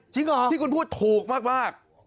จริงเหรอพี่คุณพูดถูกมากข้อมูลนี้ดู